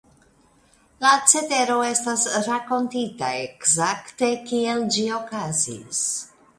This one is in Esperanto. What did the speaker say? La cetero estas rakontita ekzakte kiel ĝi okazis.